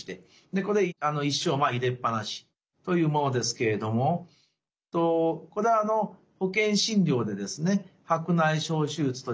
でこれ一生入れっ放しというものですけれどもこれ保険診療でですね